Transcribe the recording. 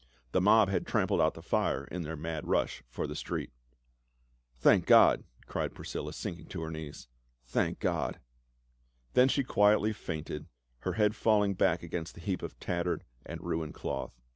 The mob had trampled out the fire in their mad rush for the street. "Thank God !" cried Priscilla, sinking to her knees. "Thank God!" Then she quietly fainted, her head falling back against the heap of tattered and ruined cloth.